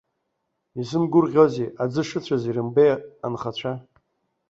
Изымгәырӷьозеи, аӡы шыцәаз ирымбеи анхацәа.